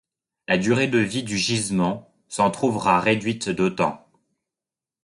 La durée de vie du gisement s'en trouvera réduite d'autant.